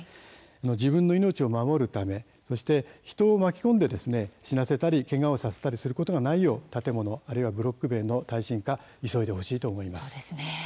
自分の命を守るためそして人を巻き込んで死なせたりけがをさせることがないよう建物やブロック塀の耐震化急いでほしいと思います。